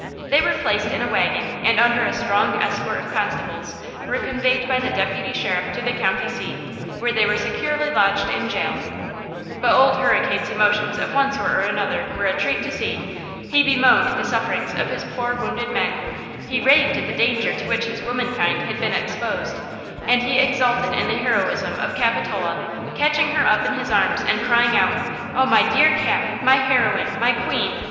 They were placed in a wagon and under a strong escort of constables were conveyed by the Deputy Sheriff to the county seat, where they were securely lodged in jail. But Old Hurricane's emotions of one sort or another were a treat to see! He bemoaned the sufferings of his poor wounded men; he raved at the danger to which his "womenkind" had been exposed, and he exulted in the heroism of Capitola, catching her up in his arms and crying out: "Oh, my dear Cap! My heroine! My queen!